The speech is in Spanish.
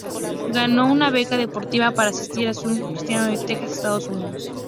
Ganó una beca deportiva para asistir a Southwestern Christian College en Texas, Estados Unidos.